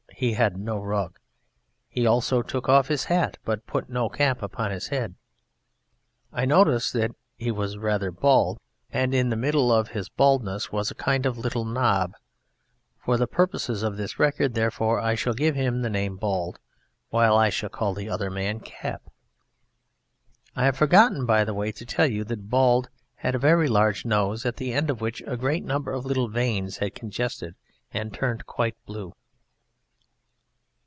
He had no rug. He also took off his hat but put no cap upon his head. I noticed that he was rather bald, and in the middle of his baldness was a kind of little knob. For the purposes of this record, therefore, I shall give him the name "Bald," while I shall call the other man "Cap." I have forgotten, by the way, to tell you that Bald had a very large nose, at the end of which a great number of little veins had congested and turned quite blue.